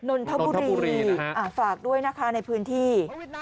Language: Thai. นนทบุรีฝากด้วยนะคะในพื้นที่